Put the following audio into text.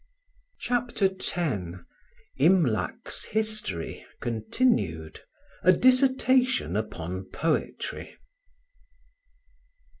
CHAPTER X IMLAC'S HISTORY (continued)—A DISSERTATION UPON POETRY.